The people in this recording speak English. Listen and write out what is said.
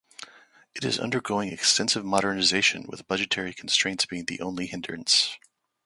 It is undergoing extensive modernization with budgetary constraints being the only hindrance.